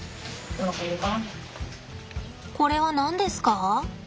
これは何ですか？